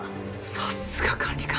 さすが管理官！